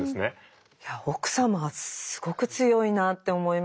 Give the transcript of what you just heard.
いや奥様はすごく強いなって思いましたね。